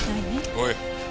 おい。